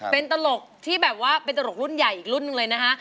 เป็นตลกที่เป็นตลกรุ่นใหญ่อีกรุ่นเลยนะฮะ